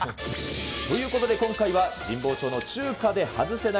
ということで今回は神保町の中華で外せない